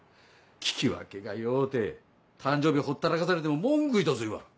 聞き分けがようて誕生日ほったらかされても文句ひとつ言わん。